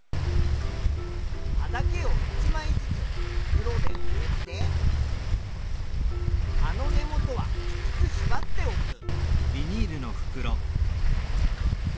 葉だけを１まいずつ袋でおおって葉の根元はきつくしばっておく。